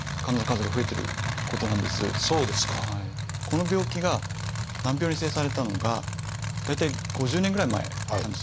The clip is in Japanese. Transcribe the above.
この病気が難病に指定されたのが大体５０年ぐらい前なんです。